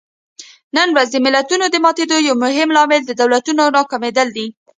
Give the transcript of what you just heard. نن ورځ د ملتونو د ماتېدو یو مهم لامل د دولتونو ناکامېدل دي.